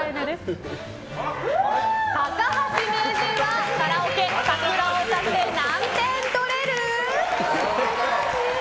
高橋名人はカラオケ「さくら」を歌って何点取れる？